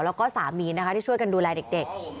แล้วก็สามีนะคะที่ช่วยกันดูแลเด็ก